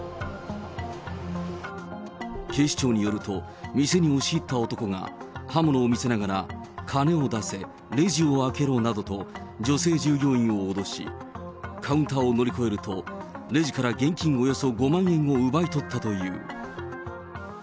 警視庁によると、店に押し入った男が、刃物を見せながら、金を出せ、レジを開けろなどと、女性従業員を脅し、カウンターを乗り越えると、レジから現金およそ５万円を奪い取ったという。